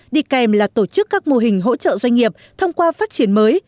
đi kèm là tổ chức các mô hình hỗ trợ doanh nghiệp thông qua phát triển mới